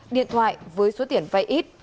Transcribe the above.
điện thoại với số tiền vai ít